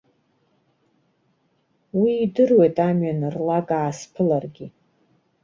Уи идыруеит амҩан рлак аасԥыларгьы.